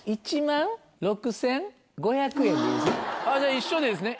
一緒ですね